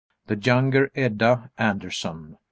_ "The Younger Edda," Anderson.